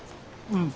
うん。